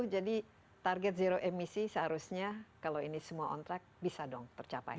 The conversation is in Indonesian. dua ribu enam puluh jadi target zero emisi seharusnya kalau ini semua on track bisa dong tercapai